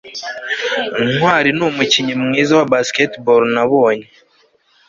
ntwali numukinnyi mwiza wa basketball nabonye